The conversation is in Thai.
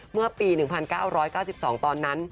เมื่อปี๑๙๙๒ตอนนั้น